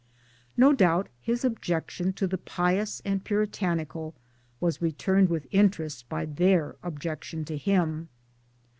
No doubt his objection to the pious and puritanical was returned with interest by their objection to him.